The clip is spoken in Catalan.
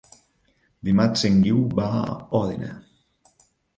Dimarts en Guiu va a Òdena.